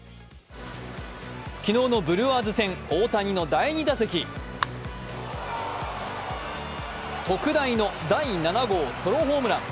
昨日のブルワーズ戦大谷の第２打席特大の第７号ソロホームラン。